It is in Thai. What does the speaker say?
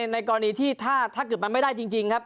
ในกรณีที่ถ้าเกิดมันไม่ได้จริงครับ